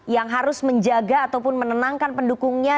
yang harus menjaga ataupun menenangkan pendukungnya